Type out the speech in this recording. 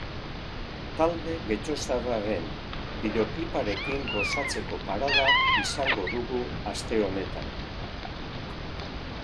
Talde getxoztarraren bideokliparekin gozatzeko parada izango dugu aste honetan.